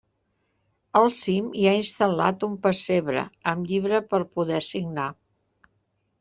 Al cim hi ha instal·lat un pessebre, amb llibre per poder signar.